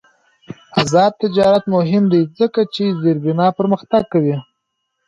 آزاد تجارت مهم دی ځکه چې زیربنا پرمختګ کوي.